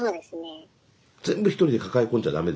全部１人で抱え込んじゃ駄目ですよ。